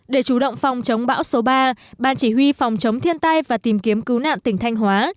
để chủ động phòng chống bão số ba ban chỉ huy phòng chống thiên tai và tìm kiếm cứu nạn tỉnh thanh hóa